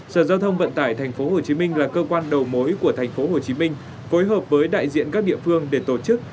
sở giao thông vận tải tp hcm là cơ quan đầu mối của tp hcm phối hợp với đại diện các địa phương để tổ chức